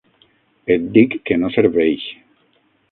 Et dic que no serveix.